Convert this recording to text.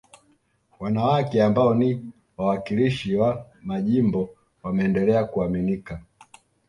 Wanawake ambao ni wawakilishi wa majimbo wameendelea kuaminika